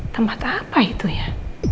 tempat apa itu ya